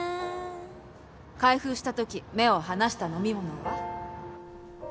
開封した時目を離した飲み物は？